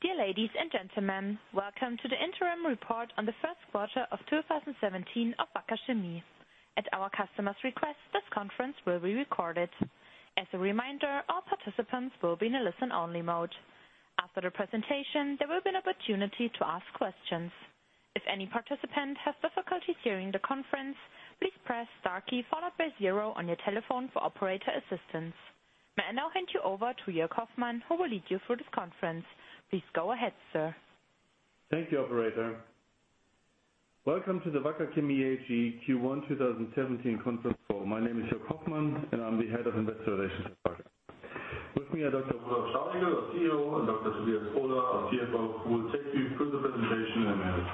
Dear ladies and gentlemen. Welcome to the interim report on the first quarter of 2017 of Wacker Chemie. At our customers' request, this conference will be recorded. As a reminder, all participants will be in a listen-only mode. After the presentation, there will be an opportunity to ask questions. If any participants have difficulty hearing the conference, please press * followed by zero on your telephone for operator assistance. May I now hand you over to Joerg Hoffmann, who will lead you through this conference. Please go ahead, sir. Thank you, operator. Welcome to the Wacker Chemie AG Q1 2017 conference call. My name is Joerg Hoffmann, and I am the head of investor relations department. With me are Dr. Rudolf Staudigl, our CEO, and Dr. Tobias Ohler, our CFO, who will take you through the presentation in a minute.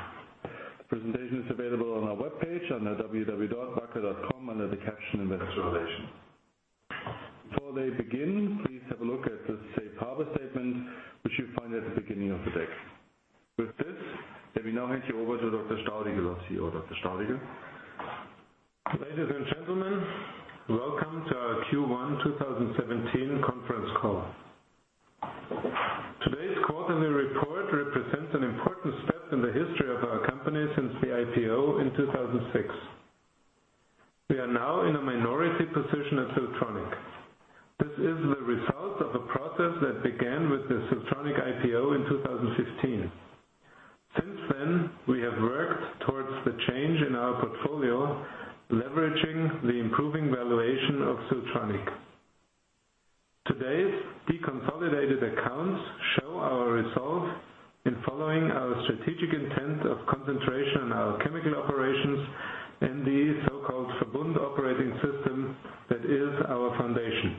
The presentation is available on our webpage under www.wacker.com under the caption, Investor Relations. Before they begin, please have a look at the safe harbor statement, which you will find at the beginning of the deck. With this, let me now hand you over to Dr. Staudigl, our CEO. Dr. Staudigl. Ladies and gentlemen, welcome to our Q1 2017 conference call. Today's quarterly report represents an important step in the history of our company since the IPO in 2006. We are now in a minority position at Siltronic. This is the result of a process that began with the Siltronic IPO in 2015. Since then, we have worked towards the change in our portfolio, leveraging the improving valuation of Siltronic. Today's deconsolidated accounts show our resolve in following our strategic intent of concentration on our chemical operations and the so-called Verbund operating system that is our foundation.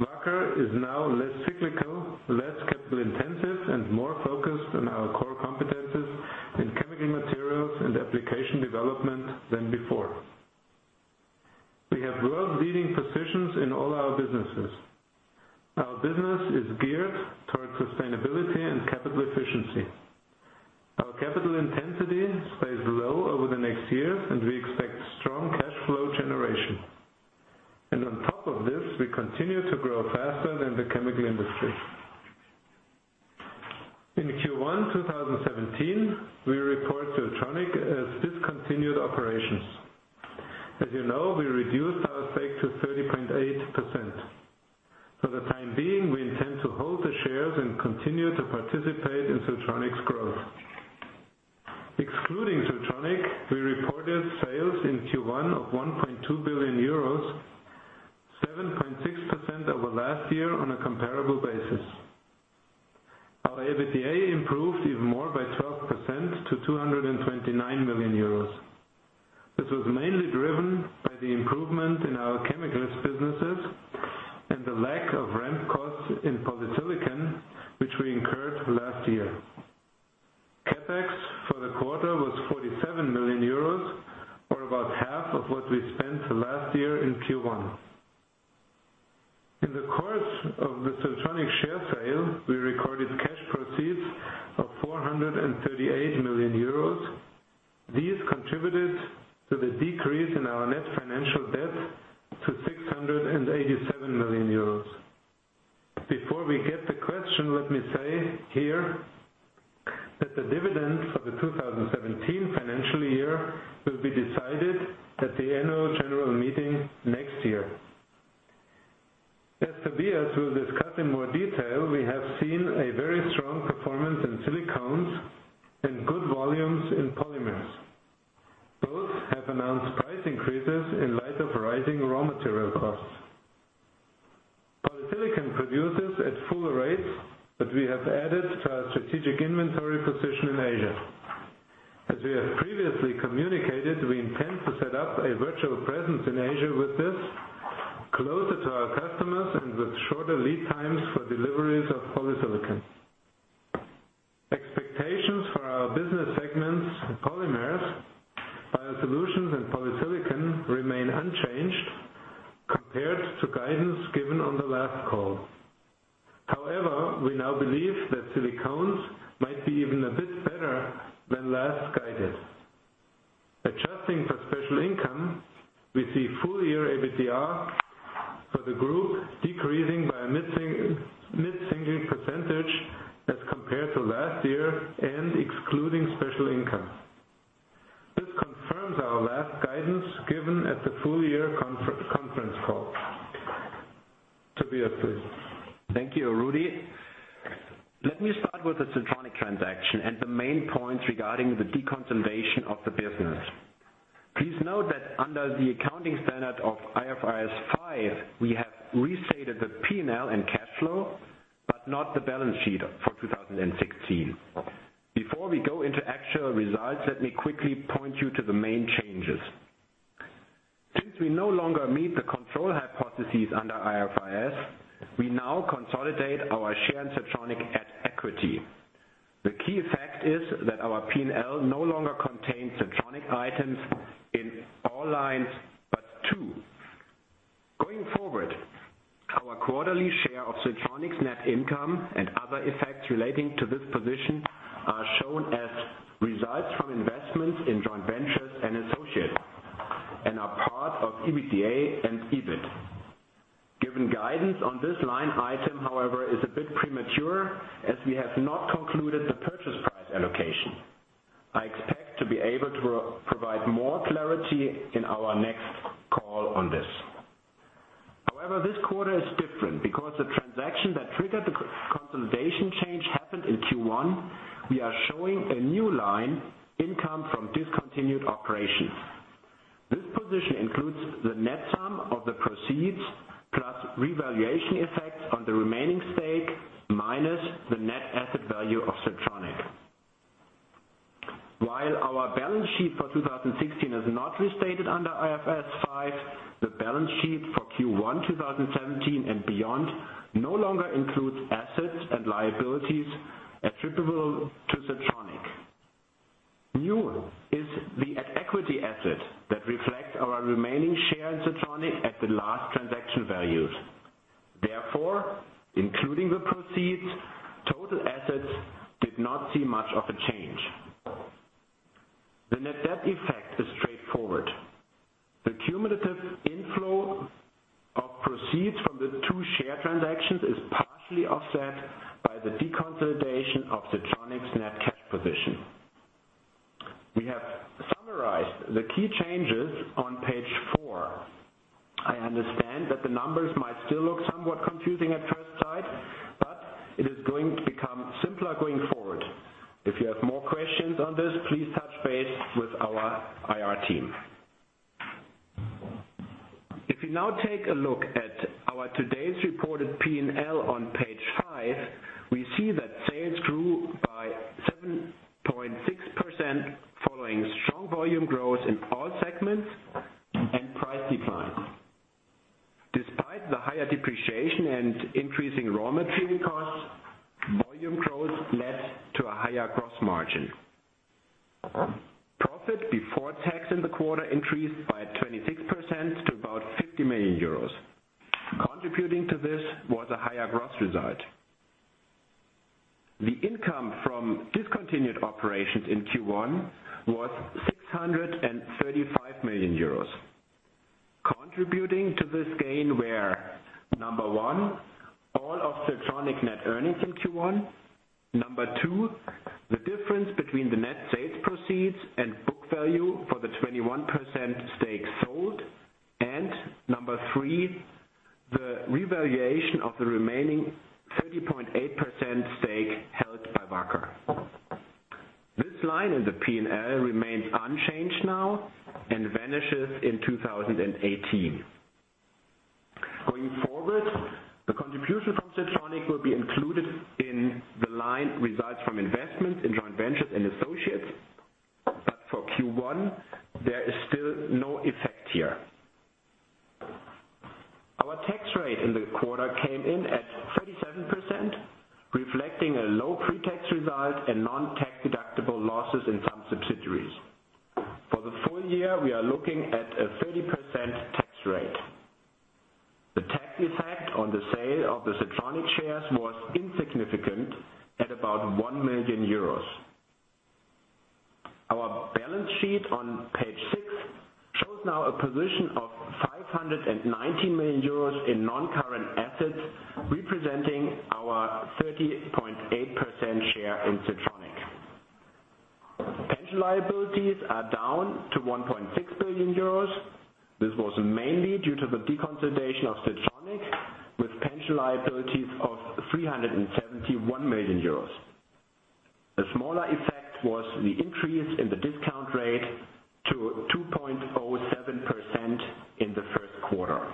Wacker is now less cyclical, less capital intensive, and more focused on our core competencies in chemical materials and application development than before. We have world-leading positions in all our businesses. Our business is geared towards sustainability and capital efficiency. Our capital intensity stays low over the next years, and we expect strong cash flow generation. On top of this, we continue to grow faster than the chemical industry. In Q1 2017, we report Siltronic as discontinued operations. As you know, we reduced our stake to 30.8%. For the time being, we intend to hold the shares and continue to participate in Siltronic's growth. Excluding Siltronic, we reported sales in Q1 of 1.2 billion euros, 7.6% over last year on a comparable basis. Our EBITDA improved even more by 12% to 229 million euros. This was mainly driven by the improvement in our chemicals businesses and the lack of ramp costs in polysilicon, which we incurred last year. CapEx for the quarter was 47 million euros, or about half of what we spent last year in Q1. In the course of the Siltronic share sale, we recorded cash proceeds of 438 million euros. These contributed to the decrease in our net financial debt to 687 million euros. Before we get to questions, let me say here that the dividend for the 2017 financial year will be decided at the annual general meeting next year. As Tobias will discuss in more detail, we have seen a very strong performance in Silicones and good volumes in Polymers. Both have announced price increases in light of rising raw material costs. Polysilicon produces at full rates that we have added to our strategic inventory position in Asia. As we have previously communicated, we intend to set up a virtual presence in Asia with this, closer to our customers and with shorter lead times for deliveries of polysilicon. Expectations for our business segments in Polymers, Biosolutions, and Polysilicon remain unchanged compared to guidance given on the last call. We now believe that Silicones might be even a bit better than last guided. Adjusting for special income, we see full-year EBITDA for the group decreasing by a mid-single percentage as compared to last year and excluding special income. This confirms our last guidance given at the full-year conference call. Tobias, please. Thank you, Rudi. Let me start with the Siltronic transaction and the main points regarding the deconsolidation of the business. Please note that under the accounting standard of IFRS 5, we have restated the P&L and cash flow, but not the balance sheet for 2016. Before we go into actual results, let me quickly point you to the main changes. Since we no longer meet the control hypotheses under IFRS, we now consolidate our share in Siltronic as equity. The key fact is that our P&L no longer contains Siltronic items in all lines but two. Going forward, our quarterly share of Siltronic's net income and other effects relating to this position are shown as results from investments in joint ventures and associates and are part of EBITDA and EBIT. Giving guidance on this line item, however, is a bit premature as we have not concluded the purchase price allocation. I expect to be able to provide more clarity in our next call on this. This quarter is different because the transaction that triggered the consolidation change happened in Q1, we are showing a new line, income from discontinued operations. This position includes the net sum of the proceeds, plus revaluation effects on the remaining stake, minus the net asset value of Siltronic. While our balance sheet for 2016 is not restated under IFRS 5, the balance sheet for Q1 2017 and beyond no longer includes assets and liabilities attributable to Siltronic. New is the at equity asset that reflects our remaining share in Siltronic at the last transaction values. Including the proceeds, total assets did not see much of a change. The net debt effect is straightforward. The cumulative inflow of proceeds from the two share transactions is partially offset by the deconsolidation of Siltronic's net cash position. We have summarized the key changes on page four. I understand that the numbers might still look somewhat confusing at first sight, but it is going to become simpler going forward. If you have more questions on this, please touch base with our IR team. If you now take a look at our today's reported P&L on page five, we see that sales grew by 7.6% following strong volume growth in all segments and price declines. Despite the higher depreciation and increasing raw material costs, volume growth led to a higher gross margin. Profit before tax in the quarter increased by 26% to about €50 million. Contributing to this was a higher gross result. The income from discontinued operations in Q1 was €635 million. Contributing to this gain were, number one, all of Siltronic net earnings in Q1. Number two, the difference between the net sales proceeds and book value for the 21% stake sold. Number three, the revaluation of the remaining 30.8% stake held by Wacker. This line in the P&L remains unchanged now and vanishes in 2018. Going forward, the contribution from Siltronic will be included in the line results from investment in joint ventures and associates, but for Q1, there is still no effect here. Our tax rate in the quarter came in at 37%, reflecting a low pre-tax result and non-tax-deductible losses in some subsidiaries. For the full year, we are looking at a 30% tax rate. The tax effect on the sale of the Siltronic shares was insignificant at about €1 million. Our balance sheet on page six shows now a position of €590 million in non-current assets, representing our 30.8% share in Siltronic. Pension liabilities are down to €1.6 billion. This was mainly due to the deconsolidation of Siltronic, with pension liabilities of €371 million. The smaller effect was the increase in the discount rate to 2.07% in the first quarter.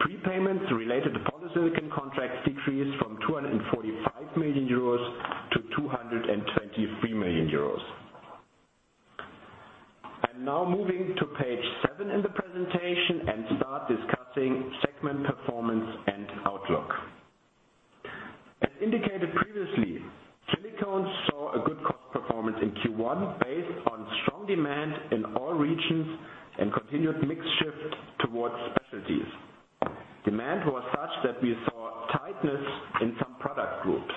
Prepayments related to polysilicon contracts decreased from €245 million to €223 million. I'm now moving to page seven in the presentation and start discussing segment performance and outlook. As indicated previously, silicones saw a good cost performance in Q1 based on strong demand in all regions and continued mix shift towards specialties. Demand was such that we saw tightness in some product groups.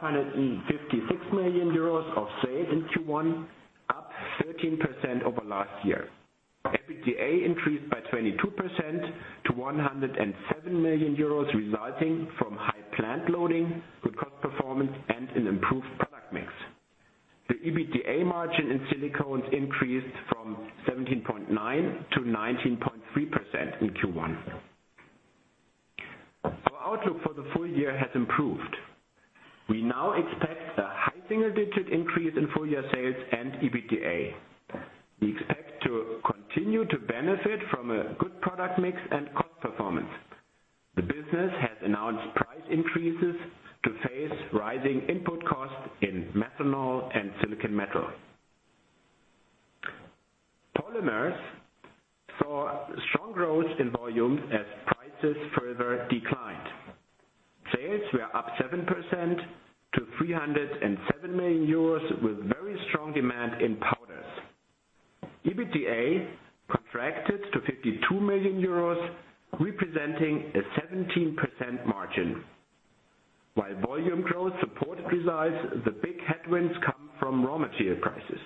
Silicones recorded €556 million of sales in Q1, up 13% over last year. EBITDA increased by 22% to €107 million, resulting from high plant loading, good cost performance, and an improved product mix. The EBITDA margin in silicones increased from 17.9% to 19.3% in Q1. Our outlook for the full year has improved. We now expect a high single-digit increase in full-year sales and EBITDA. We expect to continue to benefit from a good product mix and cost performance. The business has announced price increases to face rising input costs in methanol and silicon metal. Polymers saw strong growth in volume as prices further declined. Sales were up 7% to €307 million with very strong demand in powder. EBITDA contracted to €52 million, representing a 17% margin. While volume growth supported results, the big headwinds come from raw material prices.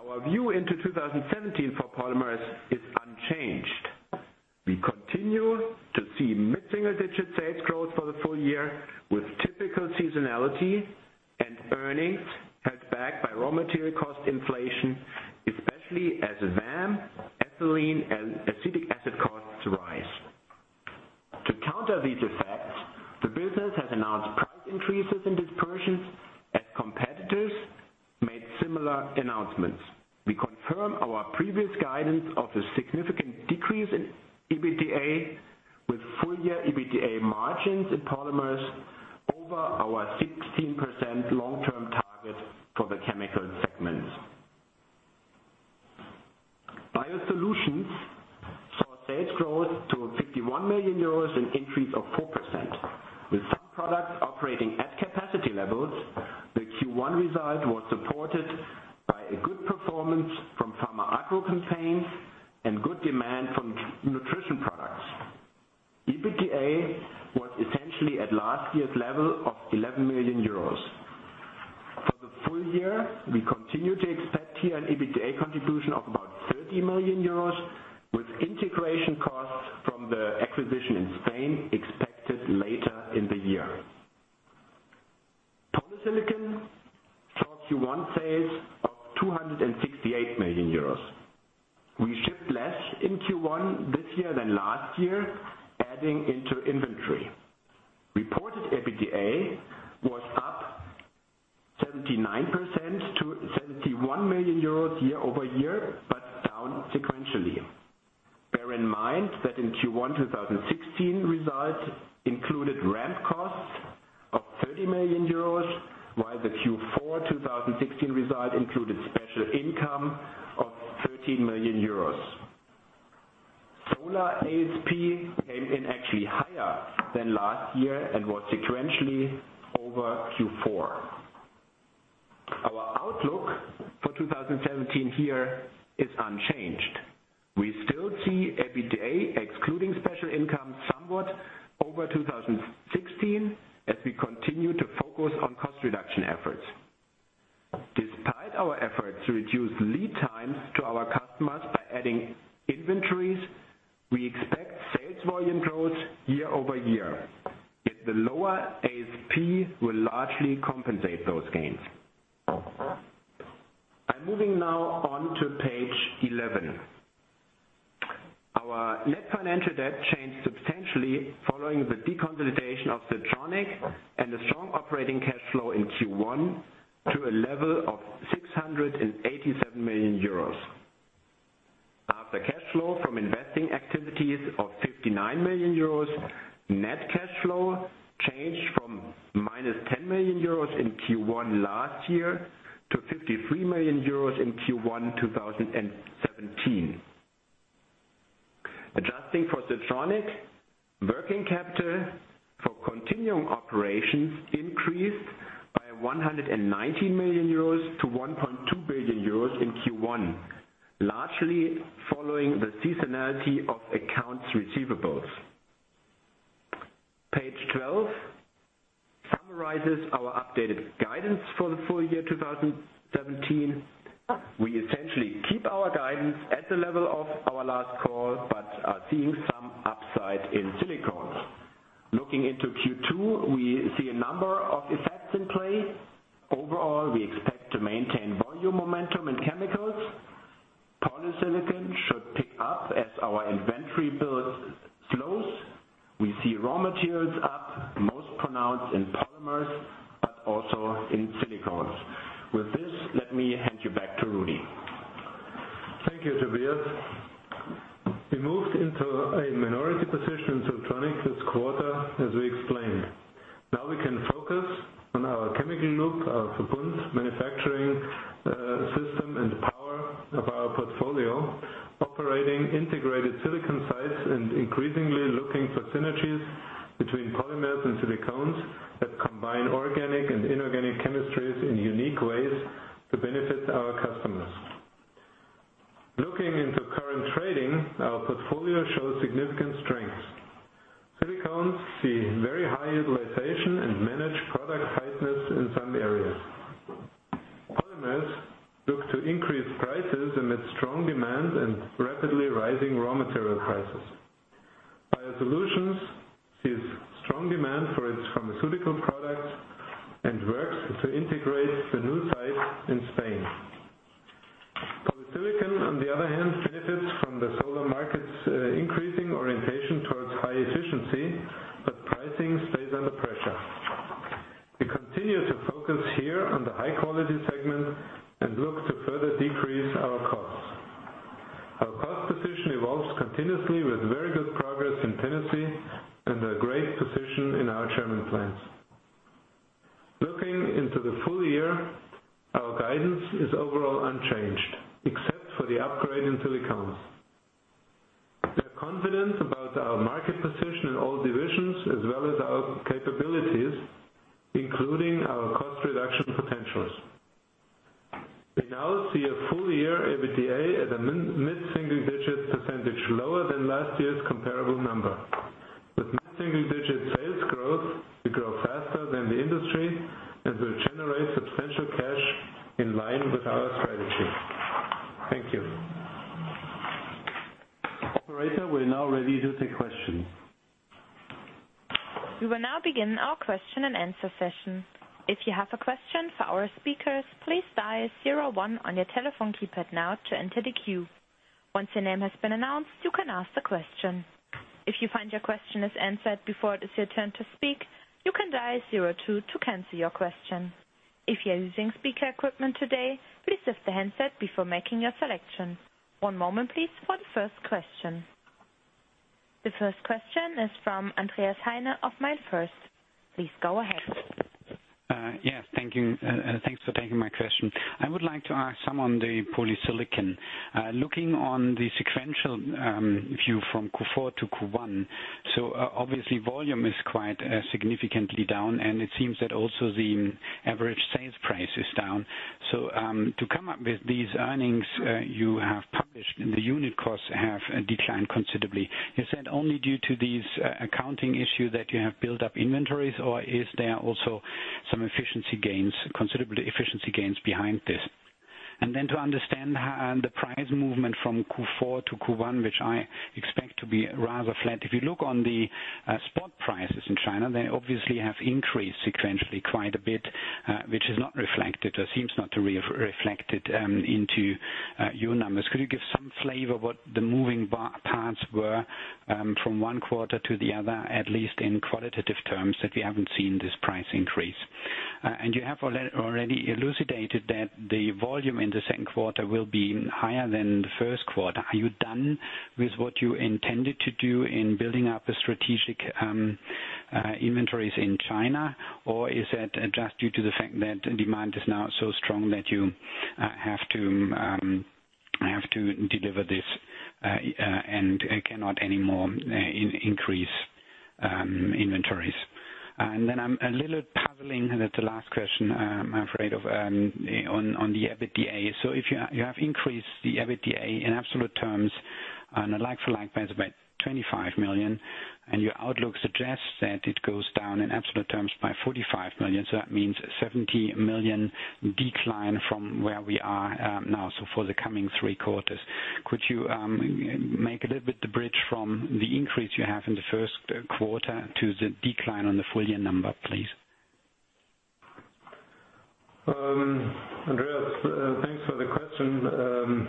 Our view into 2017 for polymers is unchanged. We continue to see mid-single-digit sales growth for the full year, with typical seasonality and earnings held back by raw material cost inflation, especially as VAM, ethylene, and acetic acid costs rise. To counter these effects, the business has announced price increases in dispersions as competitors made similar announcements. We confirm our previous guidance of a significant decrease in EBITDA, with full-year EBITDA margins in polymers over our 16% long-term target for the chemical segments. Biosolutions saw sales growth to 51 million euros, an increase of 4%, with some products operating at capacity levels. The Q1 result was supported by a good performance from pharma agro chemicals and good demand from nutrition products. EBITDA was essentially at last year's level of 11 million euros. For the full year, we continue to expect here an EBITDA contribution of about 30 million euros, with integration costs from the acquisition in Spain expected later in the year. Polysilicon saw Q1 sales of 268 million euros. We shipped less in Q1 this year than last year, adding into inventory. Reported EBITDA was up 79% to 71 million euros year-over-year, but down sequentially. Bear in mind that in Q1 2016, results included ramp costs of 30 million euros, while the Q4 2016 result included special income of 13 million euros. Solar ASP came in actually higher than last year and was sequentially over Q4. Our outlook for 2017 here is unchanged. We still see EBITDA excluding special income somewhat over 2016 as we continue to focus on cost reduction efforts. Despite our efforts to reduce lead times to our customers by adding inventories, we expect sales volume growth year-over-year. The lower ASP will largely compensate those gains. I'm moving now on to page 11. Our net financial debt changed substantially following the deconsolidation of Siltronic and the strong operating cash flow in Q1 to a level of 687 million euros. After cash flow from investing activities of 59 million euros, net cash flow changed from minus 10 million euros in Q1 last year to 53 million euros in Q1 2017. Adjusting for Siltronic, working capital for continuing operations increased by 190 million euros to 1.2 billion euros in Q1, largely following the seasonality of accounts receivables. Page 12 summarizes our updated guidance for the full year 2017. We essentially keep our guidance at the level of our last call, but are seeing some upside in silicones. Looking into Q2, we see a number of effects in play. Overall, we expect to maintain volume momentum in chemicals. Polysilicon should pick up as our inventory build slows. We see raw materials up, most pronounced in polymers, but also in silicones. With this, let me hand you back to Rudi. Thank you, Tobias. We moved into a minority position in Siltronic this quarter, as we explained. Now we can focus on our chemical loop, our Verbund manufacturing system and power of our portfolio, operating integrated silicon sites and increasingly looking for synergies between polymers and silicones that combine organic and inorganic chemistries in unique ways to benefit our customers. Looking into current trading, our portfolio shows significant strengths. Silicones see very high utilization and manage product tightness in some areas. Polymers look to increase prices amid strong demand and rapidly rising raw material prices. Biosolutions sees strong demand for its pharmaceutical products and works to integrate the new site in Spain. Polysilicon, on the other hand, benefits from the solar market's increasing orientation towards high efficiency, but pricing stays under pressure. We continue to focus here on the high-quality segment and look to further decrease our costs. Our cost position evolves continuously with very good progress in Tennessee and a great position in our German plants. Looking into the full year, our guidance is overall unchanged except for the upgrade in silicones. We are confident about our market position in all divisions as well as our capabilities, including our cost reduction potentials. We now see a full year EBITDA at a mid-single digit percentage lower than last year's comparable number. With mid-single digit sales growth, we grow faster than the industry and will generate substantial cash in line with our strategy. Thank you. Operator, we are now ready to take questions. We will now begin our question and answer session. If you have a question for our speakers, please dial 01 on your telephone keypad now to enter the queue. Once your name has been announced, you can ask the question. If you find your question is answered before it is your turn to speak, you can dial 02 to cancel your question. If you are using speaker equipment today, please lift the handset before making your selection. One moment, please, for the first question. The first question is from Andreas Heine of MainFirst. Please go ahead. Yes. Thanks for taking my question. I would like to ask some on the polysilicon. Looking on the sequential view from Q4 to Q1, obviously volume is quite significantly down, and it seems that also the average sales price is down. To come up with these earnings you have published, the unit costs have declined considerably. Is that only due to these accounting issue that you have built up inventories, or is there also some considerable efficiency gains behind this? To understand how the price movement from Q4 to Q1, which I expect to be rather flat. If you look on the spot prices in China, they obviously have increased sequentially quite a bit, which is not reflected, or seems not to be reflected into your numbers. Could you give some flavor what the moving parts were from one quarter to the other, at least in qualitative terms, that we haven't seen this price increase? You have already elucidated that the volume in the second quarter will be higher than the first quarter. Are you done with what you intended to do in building up the strategic inventories in China? Is that just due to the fact that demand is now so strong that you have to deliver this, and cannot anymore increase inventories? Then I'm a little puzzling, and that's the last question, I'm afraid, on the EBITDA. If you have increased the EBITDA in absolute terms on a like for like basis by 25 million, and your outlook suggests that it goes down in absolute terms by 45 million. That means 70 million decline from where we are now, so for the coming three quarters. Could you make a little bit the bridge from the increase you have in the first quarter to the decline on the full year number, please? Andreas, thanks for the question.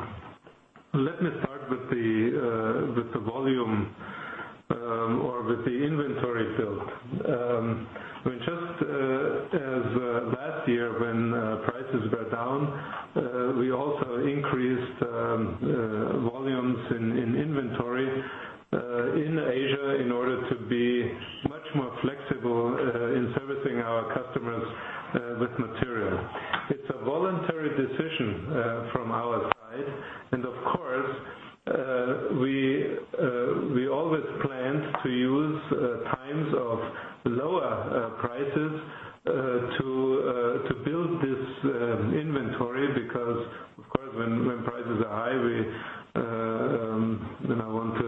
Let me start with the volume, or with the inventory build. Just as last year when prices were down, we also increased volumes in inventory in Asia in order to be much more flexible in servicing our customers with material. It's a voluntary decision from our side. Of course, we always planned to use times of lower prices to build this inventory because, of course, when prices are high, we want to sell at those prices. To make it very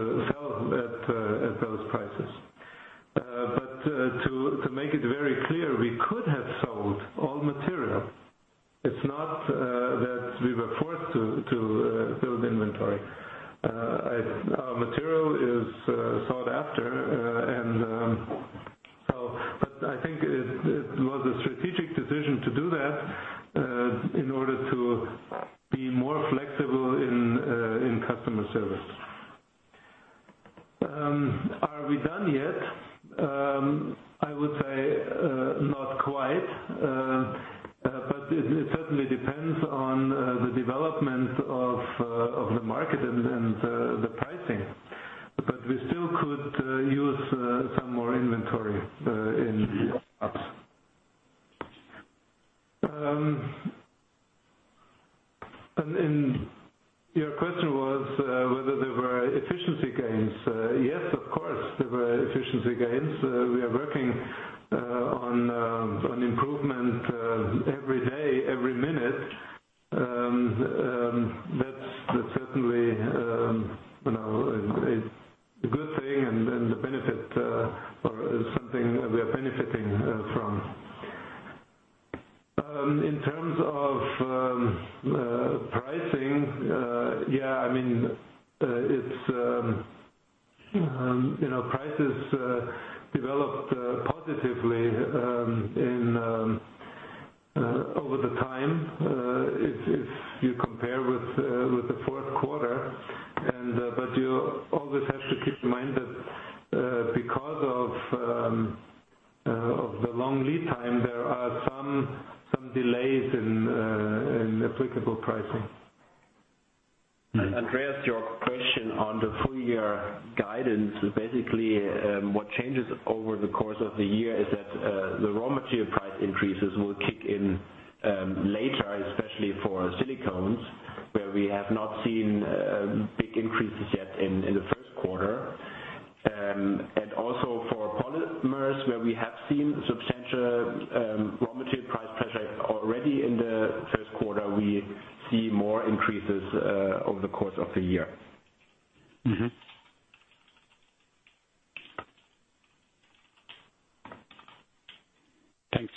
Thanks.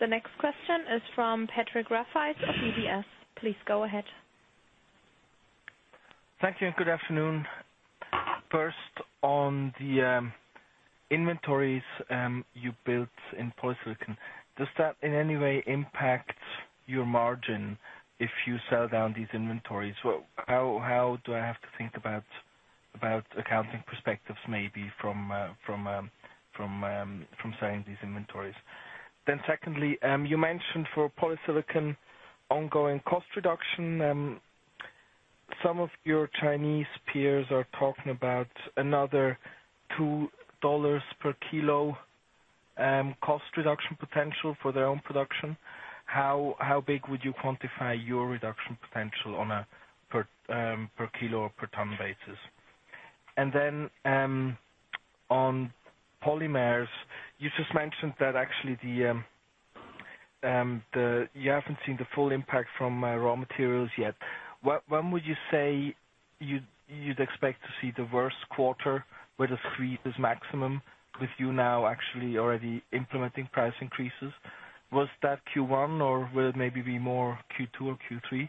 The next question is from Patrick Rafaisz of UBS. Please go ahead. Thank you. Good afternoon. First, on the inventories you built in polysilicon. Does that in any way impact your margin if you sell down these inventories? How do I have to think about accounting perspectives, maybe from selling these inventories? Secondly, you mentioned for polysilicon, ongoing cost reduction. Some of your Chinese peers are talking about another $2 per kilo cost reduction potential for their own production. How big would you quantify your reduction potential on a per kilo or per ton basis? Then, on polymers, you just mentioned that actually you haven't seen the full impact from raw materials yet. When would you say you'd expect to see the worst quarter where the squeeze is maximum, with you now actually already implementing price increases? Was that Q1, or will it maybe be more Q2 or Q3?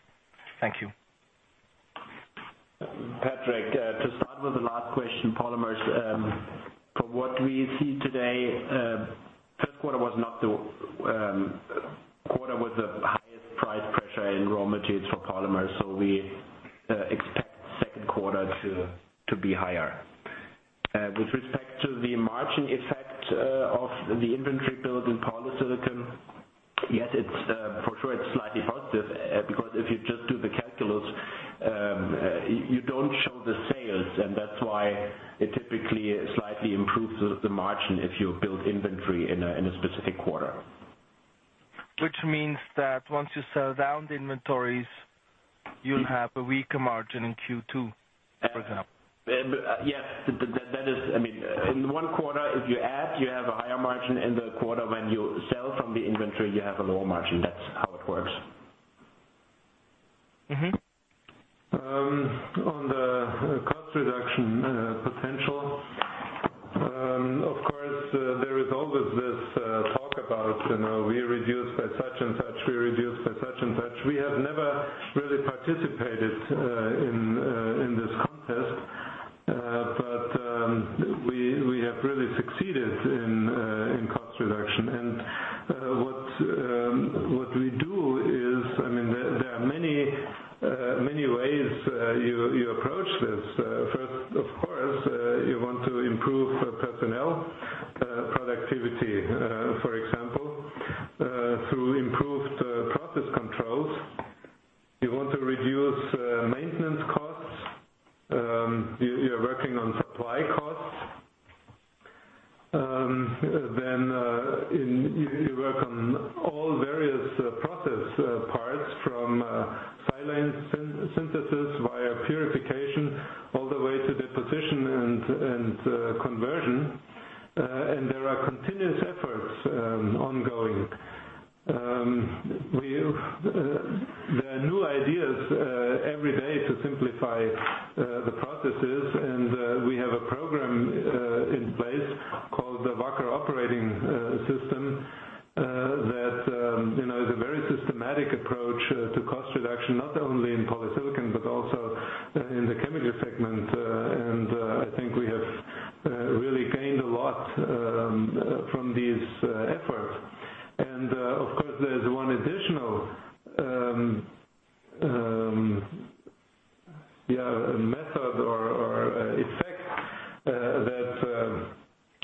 Thank you. Patrick, to start with the last question, polymers. From what we see today, first quarter was not the quarter with the highest price pressure in raw materials for polymers. We expect second quarter to be higher. With respect to the margin effect of the inventory build in polysilicon. Yes, for sure it's slightly positive, because if you just do the calculus, you don't show the sales, and that's why it typically slightly improves the margin if you build inventory in a specific quarter. Which means that once you sell down the inventories, you'll have a weaker margin in Q2, for example. Yes. In one quarter if you add, you have a higher margin. In the quarter when you sell from the inventory, you have a lower margin. That's how it works. On the cost reduction potential. Of course, there is always this talk about, we reduce by such and such, we reduce by such and such. We have never really participated in this contest. We have really succeeded in cost reduction. What we do is, there are many ways you approach this. First, of course, you want to improve personnel productivity. For example, through improved process controls. You want to reduce maintenance costs. You're working on supply costs. You work on all various process parts from silane synthesis via purification all the way to deposition and conversion. There are continuous efforts ongoing. There are new ideas every day to simplify the processes, and we have a program in place called the Wacker Operating System, that is a very systematic approach to cost reduction, not only in polysilicon, but also in the chemicals segment. I think we have really gained a lot from these efforts. Of course, there's one additional method or effect that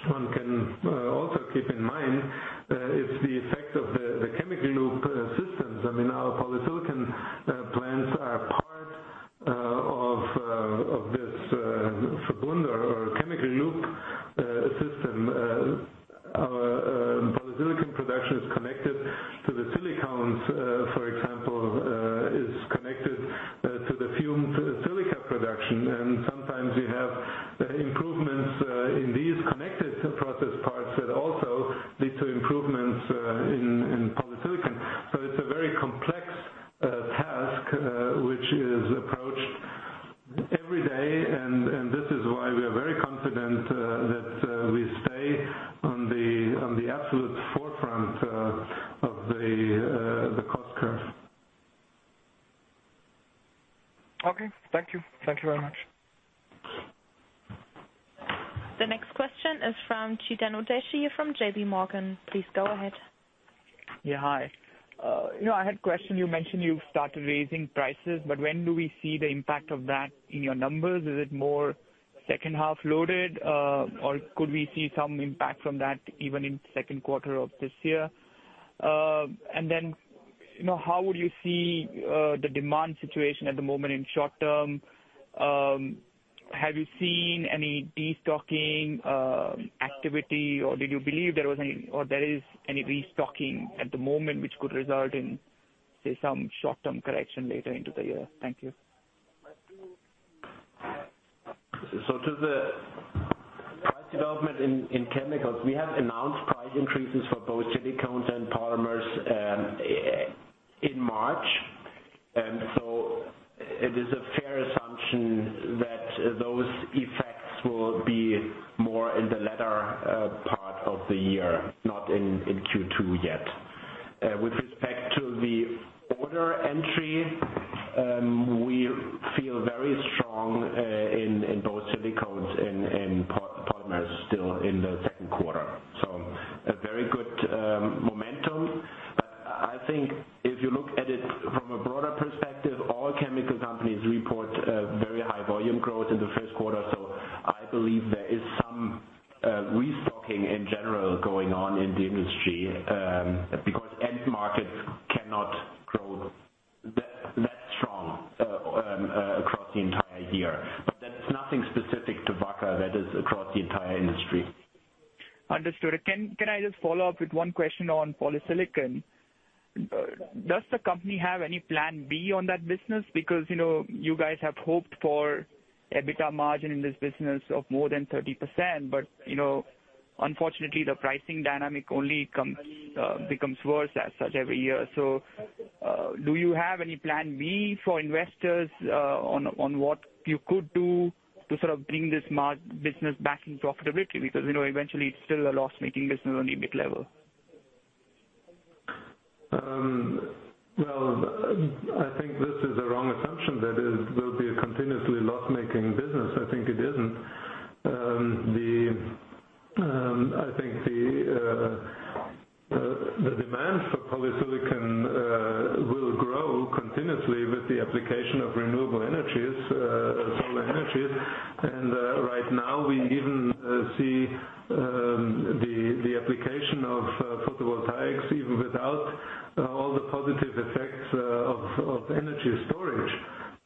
one can also keep in mind, is the effect of the chemical loop systems. Our polysilicon plants are part of this Verbund or chemical loop system. Our polysilicon production is connected to the silicones. For example, is connected to the pyrogenic silica production. Sometimes you have improvements in these connected process parts that also lead to improvements in polysilicon. It's a very complex task, which is approached every day, and this is why we are very confident that we stay on the absolute forefront of the cost curve. Okay. Thank you. Thank you very much. The next question is from Chetan Udeshi from JPMorgan. Please go ahead. Yeah. Hi. I had a question. You mentioned you started raising prices, but when do we see the impact of that in your numbers? Is it more second half loaded, or could we see some impact from that even in second quarter of this year? Then, how would you see the demand situation at the moment in short-term? Have you seen any destocking activity, or did you believe there was any or there is any restocking at the moment which could result in some short-term correction later into the year. Thank you. To the price development in chemicals, we have announced price increases for both silicones and polymers in March. It is a fair assumption that those effects will be more in the latter part of the year, not in Q2 yet. With respect to the order entry, we feel very strong in both silicones and polymers still in the second quarter. A very good momentum. I think if you look at it from a broader perspective, all chemical companies report very high volume growth in the first quarter. I believe there is some restocking in general going on in the industry, because end markets cannot grow that strong across the entire year. That's nothing specific to Wacker. That is across the entire industry. Understood. Can I just follow up with one question on polysilicon? Does the company have any plan B on that business? Because you guys have hoped for EBITDA margin in this business of more than 30%, but unfortunately, the pricing dynamic only becomes worse as such every year. Do you have any plan B for investors, on what you could do to sort of bring this business back in profitability? Because eventually it's still a loss-making business on EBIT level. Well, I think this is a wrong assumption that it will be a continuously loss-making business. I think it isn't. I think the demand for polysilicon will grow continuously with the application of renewable energies, solar energies. Right now we even see the application of photovoltaics even without all the positive effects of energy storage.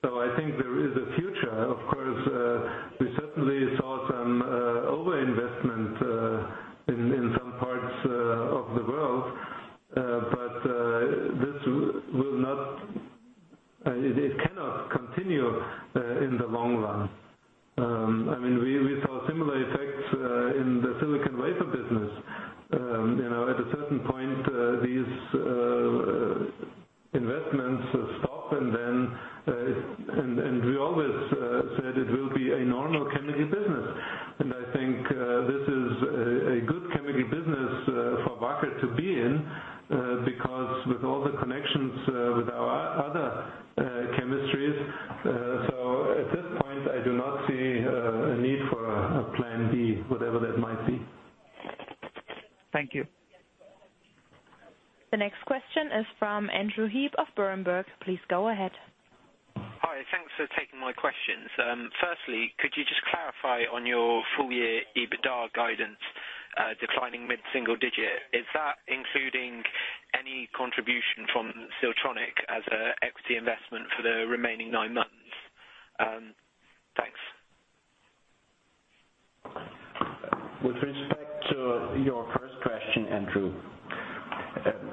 I think there is a future. Of course, we certainly saw some over-investment in some parts of the world. It cannot continue in the long run. We saw similar effects in the silicon wafer business. At a certain point, these investments stop and we always said it will be a normal chemical business. I think this is a good chemical business for Wacker to be in, because with all the connections with our other chemistries. At this point, I do not see a need for a plan B, whatever that might be. Thank you. The next question is from Andrew Heap of Berenberg. Please go ahead. Hi, thanks for taking my questions. Firstly, could you just clarify on your full-year EBITDA guidance, declining mid-single digit. Is that including any contribution from Siltronic as an equity investment for the remaining nine months? Thanks. With respect to your first question, Andrew.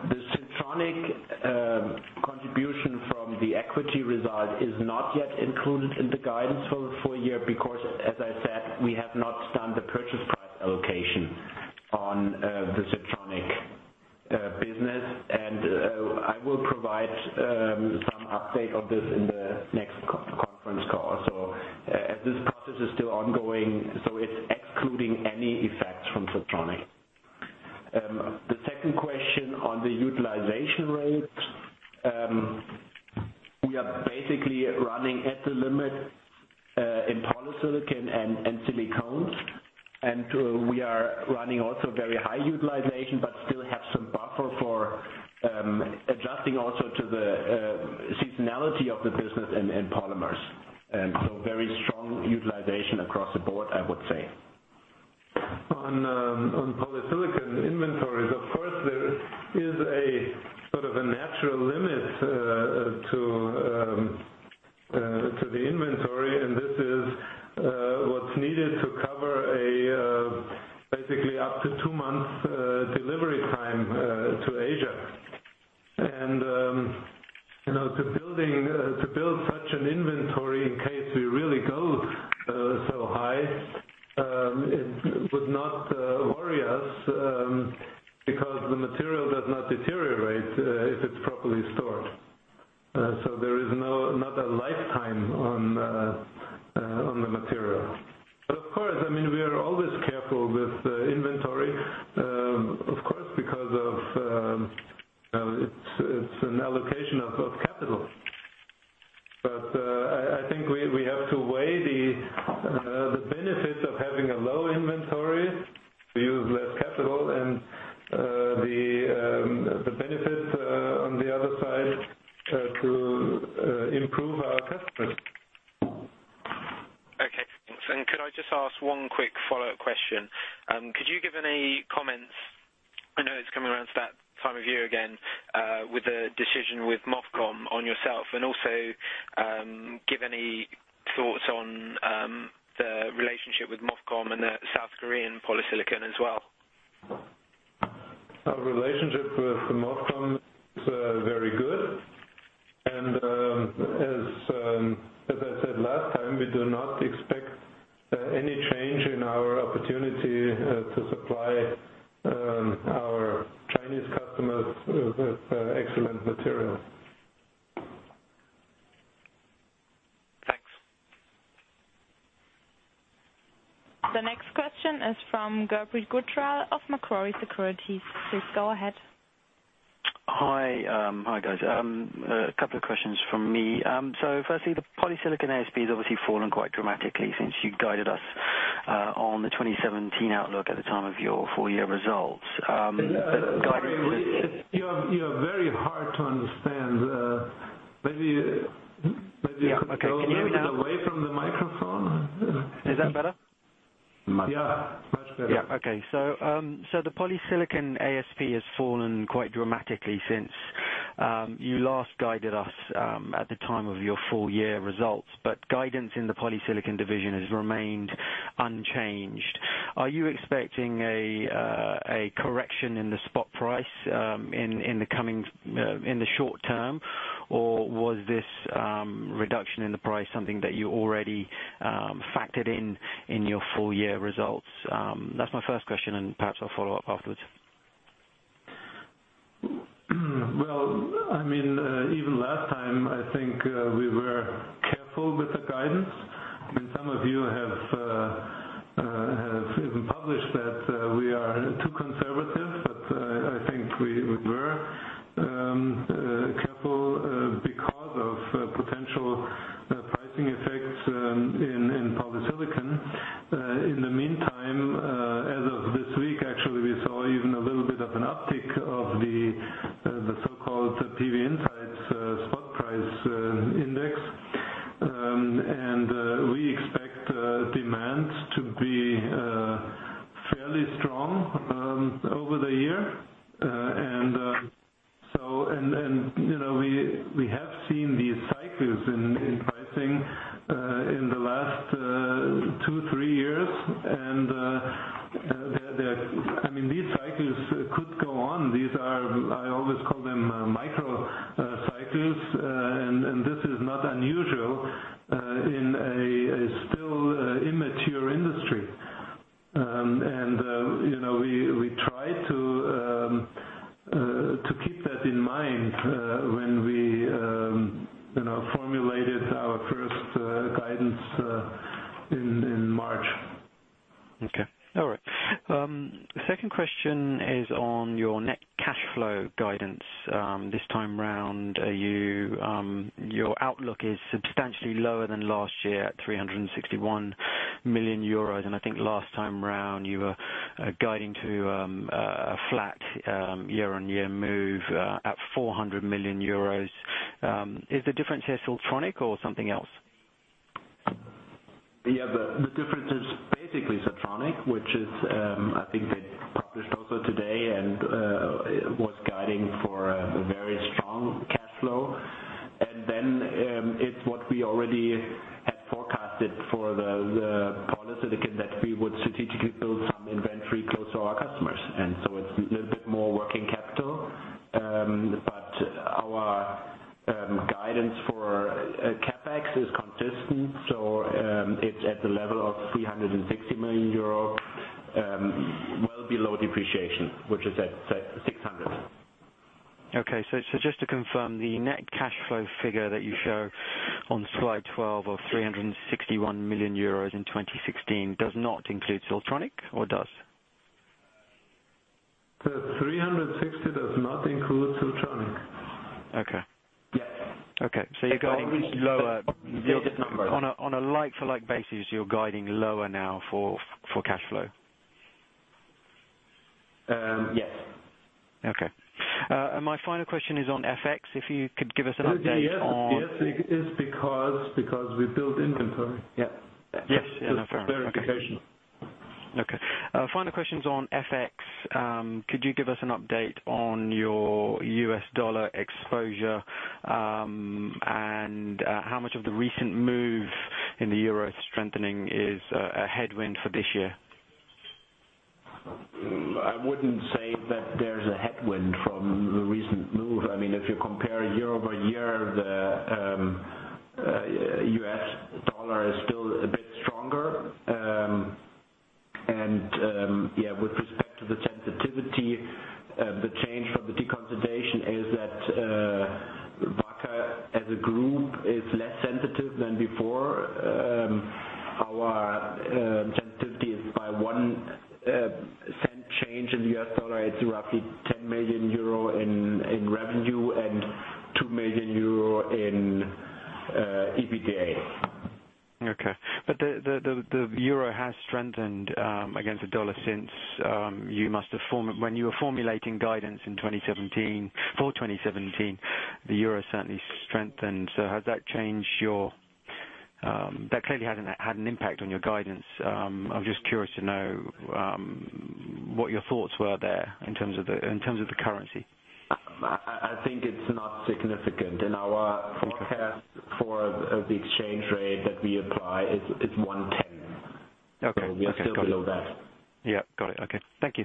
The Siltronic contribution from the equity result is not yet included in the guidance for full year because, as I said, we have not done the purchase price allocation on the Siltronic business. I will provide some update of this in the next conference call. As this process is still ongoing, so it's excluding any effects from Siltronic. The second question on the utilization rates. We are basically running at the limit in polysilicon and silicones, and we are running also very high utilization, but still have some buffer for adjusting also to the seasonality of the business in polymers. Very strong utilization across the board, I would say. On polysilicon inventories, of course, there is a sort of a natural limit to the inventory, and this is what's needed to cover basically up to two months delivery time to Asia. To build such an inventory in case we really go so high, it would not worry us, because the material does not deteriorate if it's properly stored. There is not a lifetime on the material. Of course, we are always careful with inventory, because it's an allocation of capital. I think we have to weigh the benefits of having a low inventory to use less capital and the benefits on the other side to improve our customers. Okay, thanks. Could I just ask one quick follow-up question? Could you give any comments, I know it's coming around to that time of year again, with the decision with MOFCOM on yourself and also give any thoughts on the relationship with MOFCOM and the South Korean polysilicon as well? Our relationship with MOFCOM is very good, and as I said last time, we do not expect any change in our opportunity to supply our Chinese customers with excellent materials. Thanks. The next question is from Gurpreet Saini of Macquarie Securities. Please go ahead. Hi. Hi, guys. A couple of questions from me. Firstly, the polysilicon ASP has obviously fallen quite dramatically since you guided us on the 2017 outlook at the time of your full year results. You are very hard to understand. Yeah. Okay. Can you hear me now? Away from the microphone. Is that better? Yeah. Much better. Yeah. Okay. the polysilicon ASP has fallen quite dramatically since you last guided us at the time of your full year results, but guidance in the polysilicon division has remained unchanged. Are you expecting a correction in the spot price in the short term, or was this reduction in the price something that you already factored in your full year results? That's my first question, and perhaps I'll follow up afterwards. Well, even last time, I think we were careful with the guidance. I mean, some of you have even published that we are too conservative, but I think we were careful because of potential pricing effects in polysilicon. In the meantime, as of this week, actually, we saw even a little bit of an uptick of the so-called million. Okay. Just to confirm, the net cash flow figure that you show on slide 12 of 361 million euros in 2016 does not include Siltronic or does? The 360 million does not include Siltronic. Okay. Yes. Okay. You're guiding lower. On a like for like basis, you're guiding lower now for cash flow. Yes. Okay. My final question is on FX. If you could give us an update on- Yes, it is because we built inventory. Yeah. Yes. Fair enough. Okay. Just verification. Final question's on FX. Could you give us an update on your US dollar exposure? How much of the recent move in the euro strengthening is a headwind for this year? I wouldn't say that there's a headwind from the recent move. If you compare year-over-year, the US dollar is still a bit stronger. Yeah, with respect to the sensitivity, the change from the deconsolidation is that Wacker as a group is less sensitive than before. Our sensitivity is by $0.01 change in the US dollar, it's roughly €10 million in revenue and €2 million in EBITDA. The euro has strengthened against the dollar since. When you were formulating guidance for 2017, the euro certainly strengthened. That clearly had an impact on your guidance. I'm just curious to know what your thoughts were there in terms of the currency. I think it is not significant. In our forecast for the exchange rate that we apply, it is 1.10. Okay. We are still below that. Yeah. Got it. Okay. Thank you.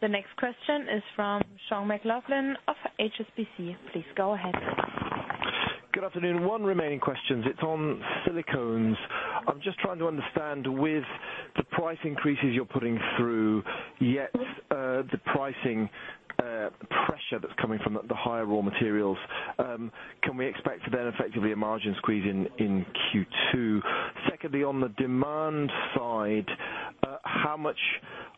The next question is from Sean McLoughlin of HSBC. Please go ahead. Good afternoon. One remaining question. It's on Silicones. I'm just trying to understand with the price increases you're putting through, yet the pricing pressure that's coming from the higher raw materials. Can we expect effectively a margin squeeze in Q2? Secondly, on the demand side, how much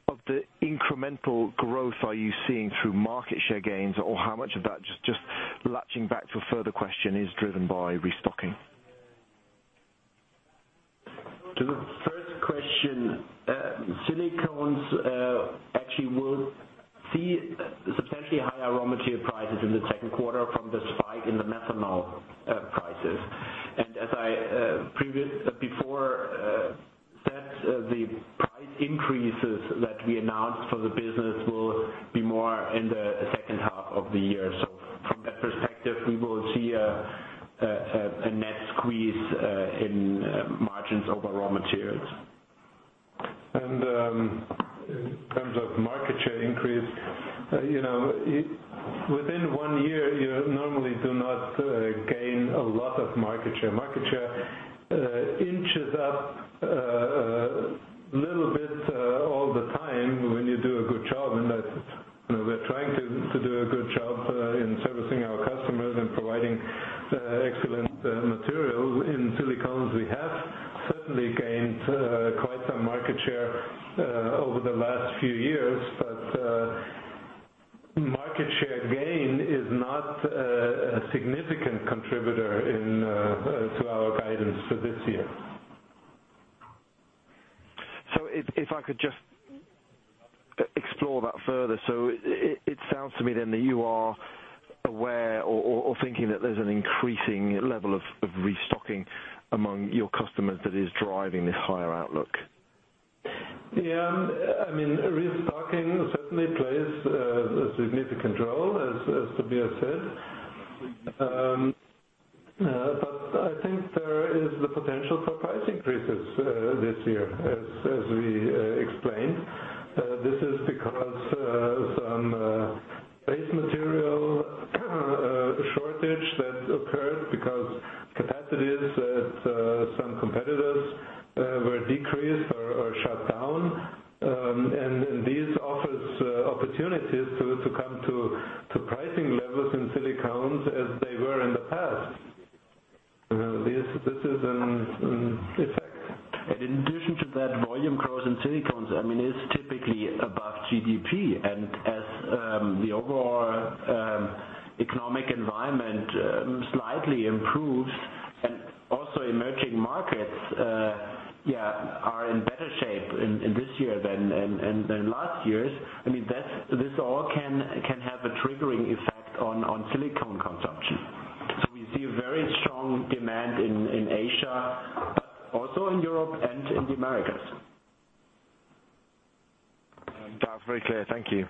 of the incremental growth are you seeing through market share gains or how much of that, just latching back to a further question, is driven by restocking? To the first question, Silicones actually will see substantially higher raw material prices in the second quarter from the spike in the methanol prices. As I before said, the price increases that we announced for the business will be more in the second half of the year. From that perspective, we will see a net squeeze in margins over raw materials. In terms of market share increase, within one year, you normally do not gain a lot of market share. Market share inches up a little bit all the time when you do a good job, and we're trying to do a good job in servicing our customers and providing excellent materials. In Silicones, we have certainly gained quite some market share over the last few years. Market share gain is not a significant contributor to our guidance for this year. If I could just explore that further. It sounds to me then that you are aware or thinking that there's an increasing level of restocking among your customers that is driving this higher outlook. Yeah. Restocking certainly plays a significant role, as Tobias said. I think there is the potential for price increases this year, as we explained. This is because some base material shortage that occurred because capacities at some competitors were decreased or shut down. These offer opportunities to come to pricing levels in silicones as they were in the past. This is an effect. In addition to that, volume growth in silicones, is typically above GDP. As the overall economic environment slightly improves, and also emerging markets are in better shape in this year than last year's. This all can have a triggering effect on silicone consumption. We see a very strong demand in Asia, but also in Europe and in the Americas. That's very clear. Thank you.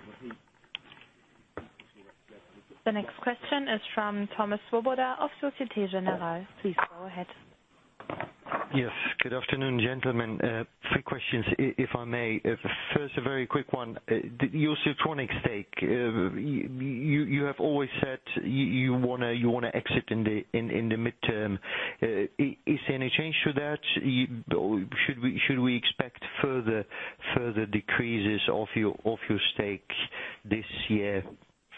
The next question is from Thomas Swoboda of Societe Generale. Please go ahead. Yes. Good afternoon, gentlemen. Three questions, if I may. First, a very quick one. Your Siltronic stake. You have always said you want to exit in the midterm. Is there any change to that? Should we expect further decreases of your stakes this year?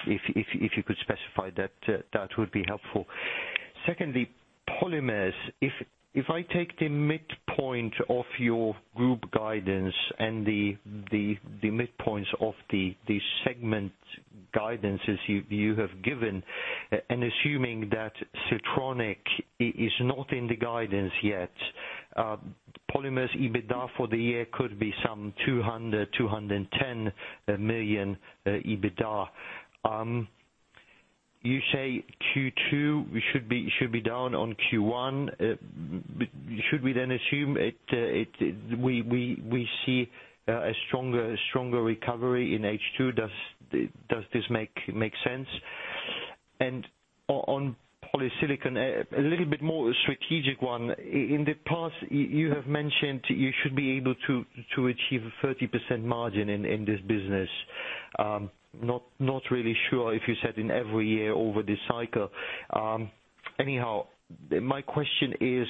If you could specify that would be helpful. Secondly, polymers. If I take the midpoint of your group guidance and the midpoints of the segment guidances you have given, and assuming that Siltronic is not in the guidance yet, polymers EBITDA for the year could be some 200 million, 210 million EBITDA. You say Q2 should be down on Q1. Should we assume we see a stronger recovery in H2? Does this make sense? On polysilicon, a little bit more strategic one. In the past, you have mentioned you should be able to achieve a 30% margin in this business. Not really sure if you said in every year over this cycle. Anyhow, my question is,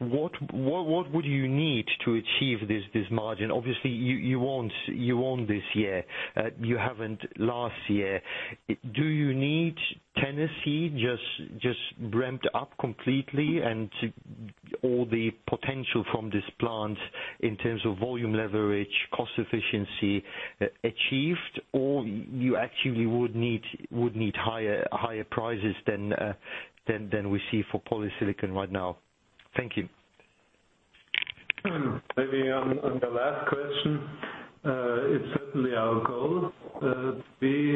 what would you need to achieve this margin? Obviously, you won't this year. You haven't last year. Do you need Tennessee just ramped up completely and all the potential from this plant in terms of volume leverage, cost efficiency achieved, or you actually would need higher prices than we see for polysilicon right now? Thank you. Maybe on the last question. It's certainly our goal to be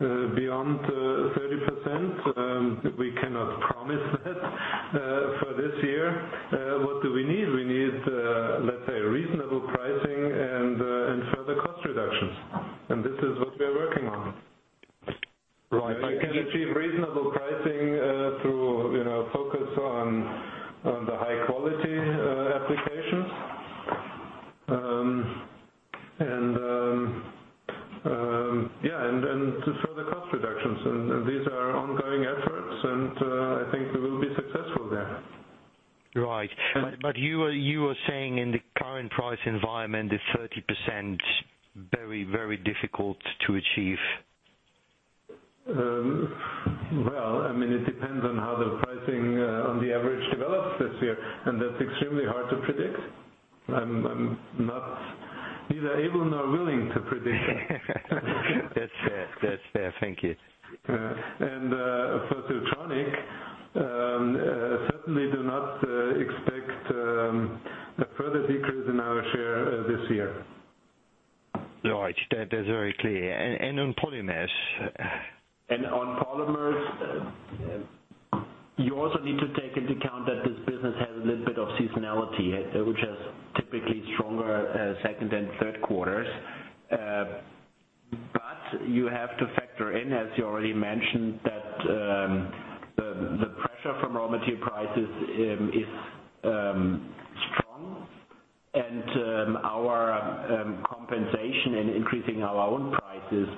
beyond 30%. We cannot promise that for this year. What do we need? We need, let's say, reasonable pricing and further cost reductions. This is what we are working on. Right. I can achieve reasonable pricing through focus on the high-quality applications. Further cost reductions. These are ongoing efforts, I think we will be successful there. Right. You were saying in the current price environment, the 30% very, very difficult to achieve. It depends on how the pricing on the average develops this year, and that's extremely hard to predict. I'm neither able nor willing to predict. That's fair. Thank you. For Siltronic, certainly do not expect a further decrease in our share this year. Right. That is very clear. On polymers? On polymers, you also need to take into account that this business has a little bit of seasonality, which has typically stronger second than third quarters. You have to factor in, as you already mentioned, that the pressure from raw material prices is strong, and our compensation in increasing our own prices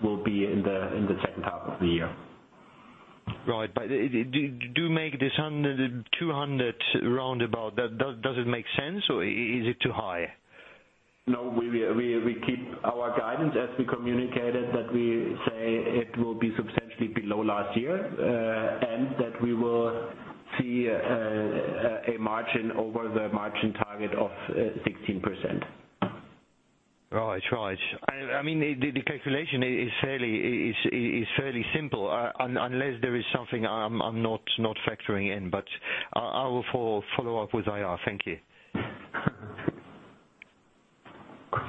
will be in the second half of the year. Right. Do make this 200 roundabout. Does it make sense or is it too high? No, we keep our guidance as we communicated that we say it will be substantially below last year, and that we will see a margin over the margin target of 16%. Right. The calculation is fairly simple. Unless there is something I'm not factoring in, but I will follow up with IR. Thank you.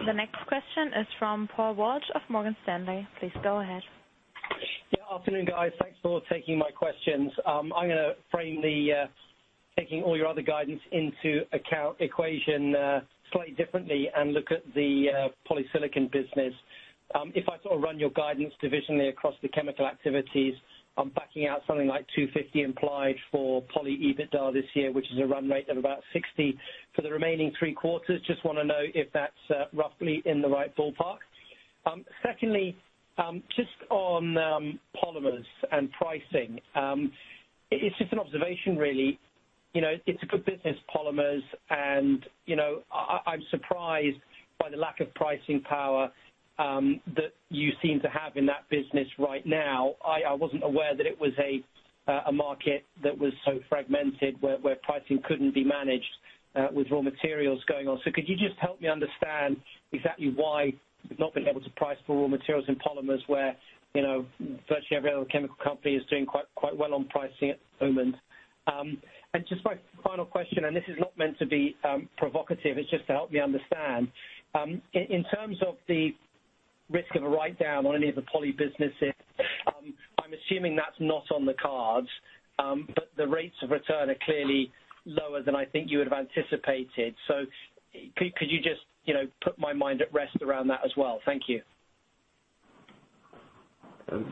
The next question is from Paul Walsh of Morgan Stanley. Please go ahead. Yeah. Afternoon, guys. Thanks for taking my questions. I'm going to frame the taking all your other guidance into account equation slightly differently and look at the polysilicon business. If I sort of run your guidance divisionally across the chemical activities, I'm backing out something like 250 implied for poly EBITDA this year, which is a run rate of about 60 for the remaining three quarters. Just want to know if that's roughly in the right ballpark. Secondly, just on polymers and pricing. It's just an observation, really. It's a good business, polymers, and I'm surprised by the lack of pricing power that you seem to have in that business right now. I wasn't aware that it was a market that was so fragmented where pricing couldn't be managed with raw materials going on. Could you just help me understand exactly why you've not been able to price for raw materials in polymers where virtually every other chemical company is doing quite well on pricing at the moment? Just my final question, and this is not meant to be provocative, it's just to help me understand. In terms of the risk of a write-down on any of the poly businesses, I'm assuming that's not on the cards. The rates of return are clearly lower than I think you would have anticipated. Could you just put my mind at rest around that as well? Thank you.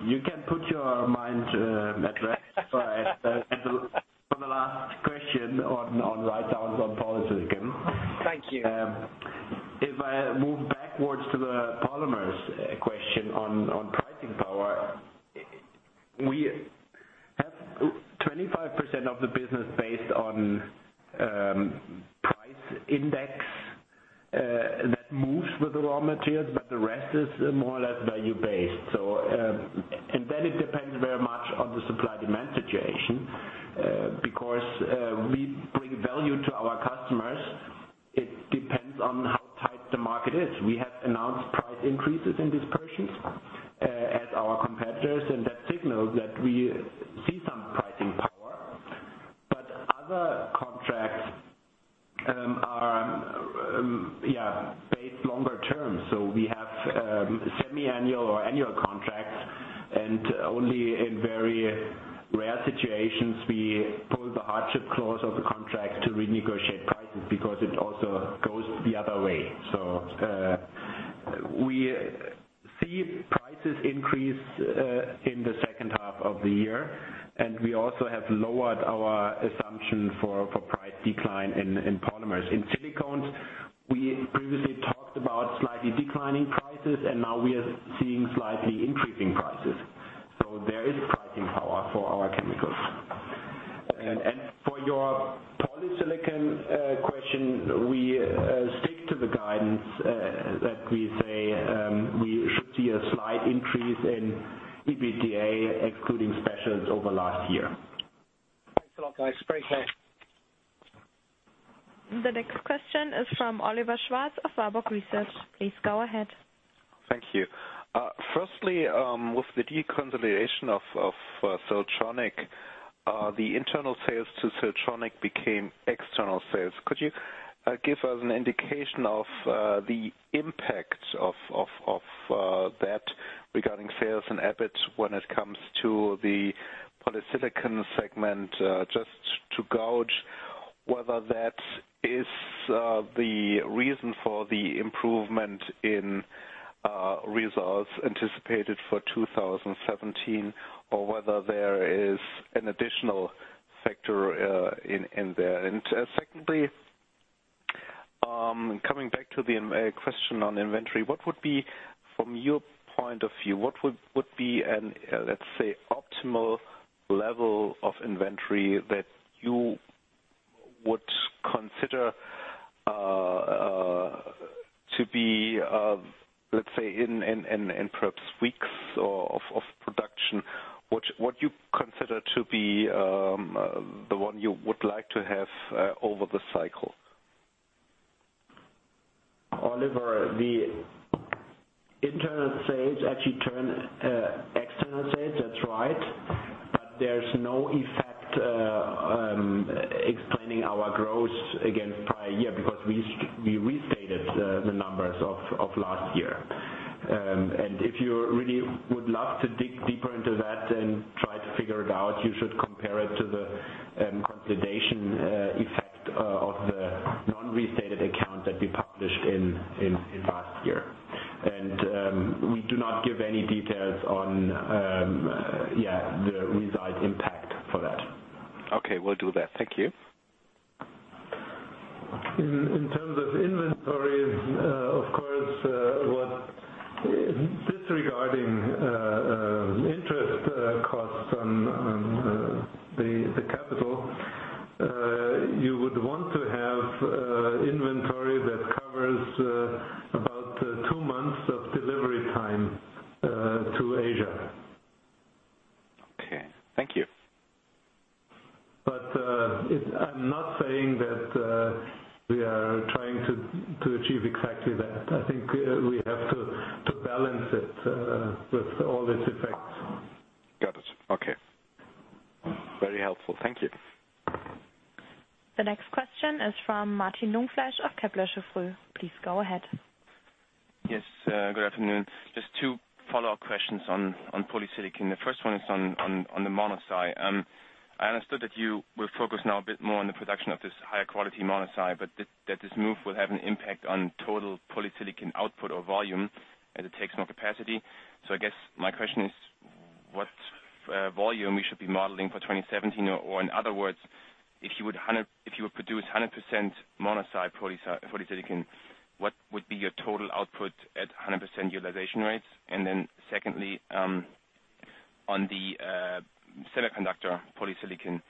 You can put your mind at rest for the last question on write-downs on polysilicon. Thank you. If I move backwards to the polymers question on pricing power, we have 25% of the business based on price index that moves with the raw materials, but the rest is more or less value-based. It depends very much on the supply-demand situation. Because we bring value to our customers, it depends on how tight the market is. We have announced price increases in dispersions, as our competitors, and that signals that we see some pricing power. Other contracts are based longer term. We have semiannual or annual contracts, and only in very rare situations we pull the hardship clause of the contract to renegotiate prices, because it also goes the other way. We see prices increase in the second half of the year, and we also have lowered our assumption for price decline in polymers. In silicones, we previously talked about slightly declining prices, and now we are seeing slightly increasing prices. There is pricing power for our chemicals. For your polysilicon question, we stick to the guidance that we say we should see a slight increase in EBITDA excluding specials over last year. Thanks a lot, guys. Very clear. The next question is from Oliver Schwarz of Warburg Research. Please go ahead. Thank you. Firstly, with the deconsolidation of Siltronic, the internal sales to Siltronic became external sales. Could you give us an indication of the impact of that regarding sales and EBIT when it comes to the polysilicon segment, just to gauge whether that is the reason for the improvement in results anticipated for 2017 or whether there is an additional factor in there. Secondly, coming back to the question on inventory, from your point of view, what would be, let's say, optimal level of inventory that you would consider to be, let's say, in perhaps weeks of production, what you consider to be the one you would like to have over the cycle? Oliver, the internal sales actually turn external sales. That's right. There's no effect explaining our growth against prior year because we restated the numbers of last year. If you really would love to dig deeper into that and try to figure it out, you should compare it to the consolidation effect of the non-restated accounts that we published last year. We do not give any details on the result impact for that. Okay. Will do that. Thank you. In terms of inventory, of course, disregarding interest costs on the capital, you would want to have inventory that covers about two months of delivery time to Asia. Okay. Thank you. I'm not saying that we are trying to achieve exactly that. I think we have to balance it with all its effects. Got it. Okay. Very helpful. Thank you. The next question is from Martin Jungfleisch of Kepler Cheuvreux. Please go ahead. Yes, good afternoon. Just two follow-up questions on polysilicon. The first one is on the mono side. I understood that you will focus now a bit more on the production of this higher quality mono side, but that this move will have an impact on total polysilicon output or volume as it takes more capacity. I guess my question is what volume we should be modeling for 2017? Or in other words, if you would produce 100% mono side polysilicon, what would be your total output at 100% utilization rates? Then secondly, on the semiconductor polysilicon,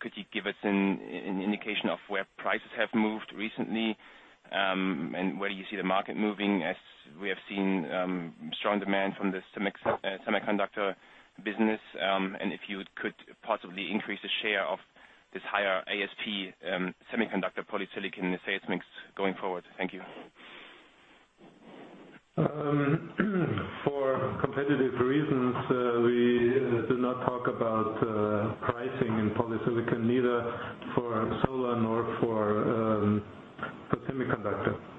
could you give us an indication of where prices have moved recently? Where do you see the market moving as we have seen strong demand from the semiconductor business? If you could possibly increase the share of this higher ASP semiconductor polysilicon sales mix going forward. Thank you. For competitive reasons, we do not talk about pricing in polysilicon, neither for solar nor for semiconductor. I hope you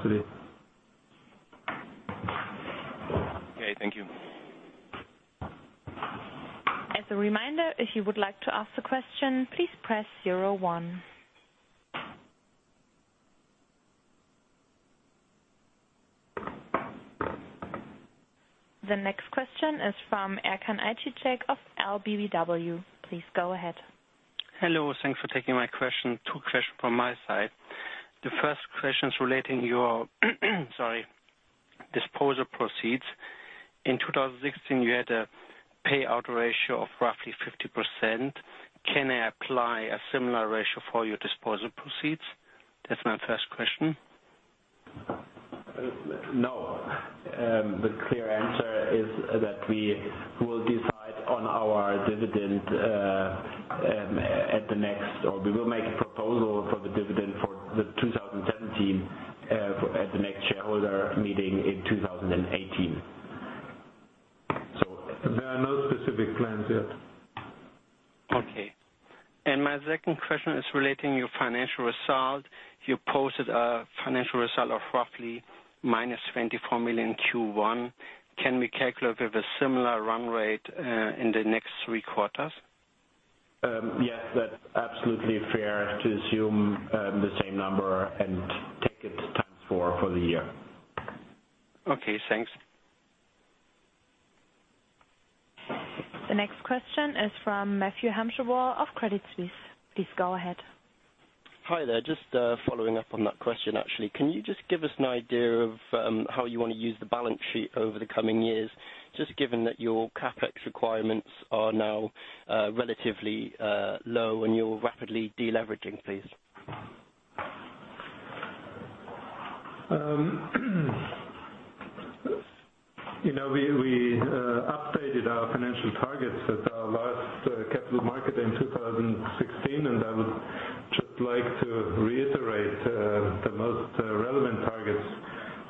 understand. Focusing more on the mono side should have and has very little impact on capacity. Our nameplate capacity of 80,000 tons still remains. The key is, of course, to continuously improve the quality in all its aspects without a reduction in capacity. Okay, thank you. As a reminder, if you would like to ask a question, please press zero one. The next question is from Erkan Akyüz of LBBW. Please go ahead. Hello. Thanks for taking my question. Two questions from my side. The first question is relating your sorry, disposal proceeds. In 2016, you had a payout ratio of roughly 50%. Can I apply a similar ratio for your disposal proceeds? That's my first question. No. The clear answer is that we will decide on our dividend at the next, or we will make a proposal for the dividend for the 2017 at the next shareholder meeting in 2018. There are no specific plans yet. Okay. My second question is relating your financial result. You posted a financial result of roughly minus 24 million Q1. Can we calculate with a similar run rate in the next three quarters? Yes, that's absolutely fair to assume the same number and take it times four for the year. Okay, thanks. The next question is from Matthew Hampshire-Waugh of Credit Suisse. Please go ahead. Hi there. Just following up on that question, actually. Can you just give us an idea of how you want to use the balance sheet over the coming years, just given that your CapEx requirements are now relatively low and you're rapidly de-leveraging, please? We updated our financial targets at our last capital market in 2016. I would just like to reiterate the most relevant targets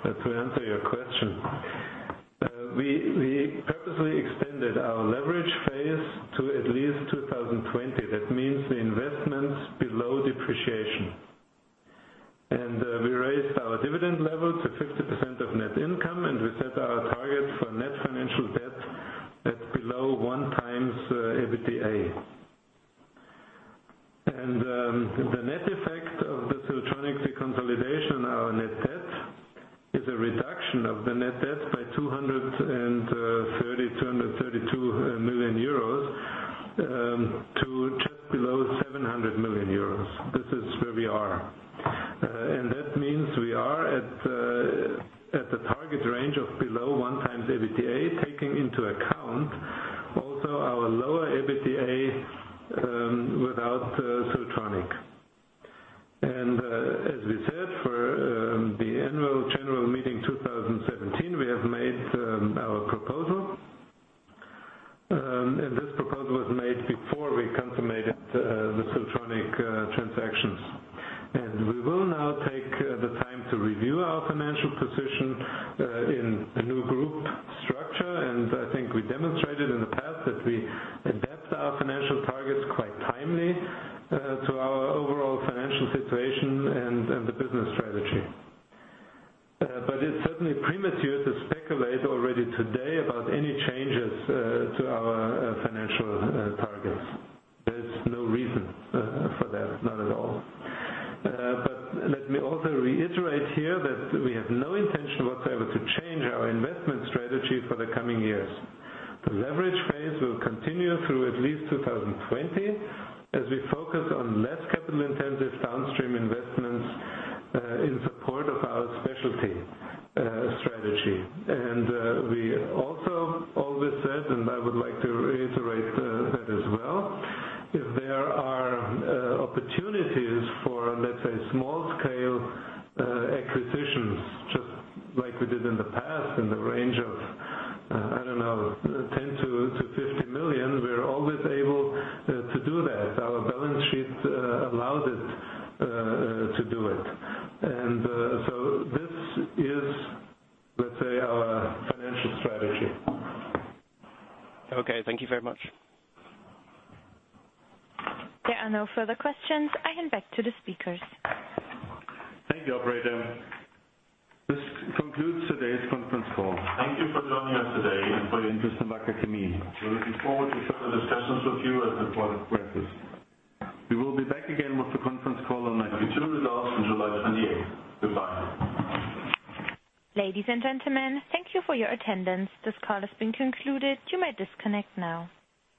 to answer your question. We purposely extended our leverage phase to at least 2020. That means the investments below depreciation. We raised our dividend level to 50% of net income, and we set our target for net financial debt at below one times EBITDA. The net effect of the Siltronic deconsolidation, our net debt is a reduction of the net debt by 32 million euros to just below 700 million euros. This is where we are. That means we are at the target range of below one times EBITDA, taking into account also our lower EBITDA without Siltronic. As we said, for the annual general meeting 2017, we have made our proposal. This proposal was made before we consummated the Siltronic transactions. We will now take the time to review our financial position in the new group structure. I think we demonstrated in the past that we adapt our financial targets quite timely to our overall financial situation and the business strategy. It's certainly premature to speculate already today about any changes to our financial targets. There's no reason for that, not at all. Let me also reiterate here that we have no intention whatsoever to change our investment strategy for the coming years. The leverage phase will continue through at least 2020 as we focus on less capital-intensive downstream investments in support of our specialty strategy. We also always said, and I would like to reiterate that as well, if there are opportunities for, let's say, small-scale acquisitions, just like we did in the past in the range of, I don't know, 10 million-50 million, we're always able to do that. Our balance sheet allows us to do it. This is, let's say, our financial strategy. Okay. Thank you very much. There are no further questions. I hand back to the speakers. Thank you, operator. This concludes today's conference call. Thank you for joining us today and for your interest in Wacker Chemie. We're looking forward to further discussions with you at the point referenced. We will be back again with the conference call on our Q2 results on July 28th. Goodbye. Ladies and gentlemen, thank you for your attendance. This call has been concluded. You may disconnect now.